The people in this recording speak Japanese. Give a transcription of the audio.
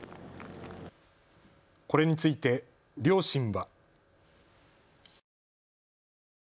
これについて両親は。